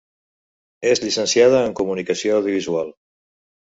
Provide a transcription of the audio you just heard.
És llicenciada en comunicació audiovisual.